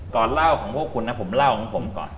เล่าของพวกคุณนะผมเล่าของผมก่อน